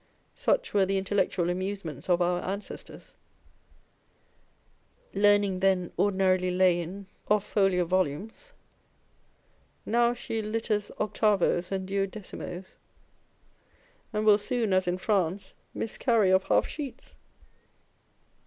Such were the intellectual amusements of our ancestors ! Learning then ordinarily lay in of folio volumes : now she litters octavos and duodecimos, and will soon, as in France, miscarry of half sheets